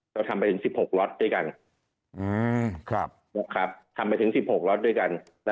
เราทำไปถึง๑๖ล็อตด้วยกัน